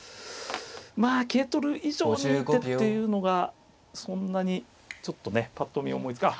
まあ桂取る以上にいい手っていうのがそんなにちょっとねぱっと見思いつかない。